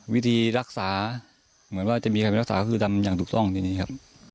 วิธีรักษาเหมือนว่าจะมีใครรักษาก็คือตามอย่างถูกต้องจริงครับ